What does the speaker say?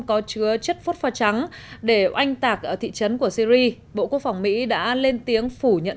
có chứa chất phốt pho trắng để oanh tạc ở thị trấn của syri bộ quốc phòng mỹ đã lên tiếng phủ nhận